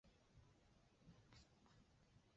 本表是蒙古语方言的列表。